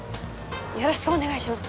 よろしくお願いします。